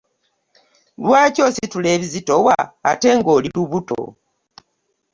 Lwaki ositula ebizitowa ate nga oli lubuto?